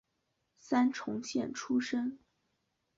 三重县出身。